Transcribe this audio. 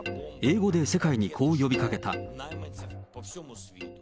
英語で世界にこう呼びかけた。